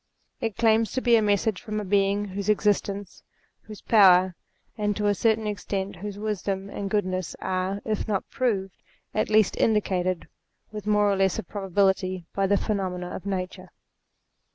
It claims to be a message from a Being whose existence, whose power, and to a certain extent whose wisdom and goodness, are, if not proved, at least indicated with more or less of probability by the phenomena of Nature.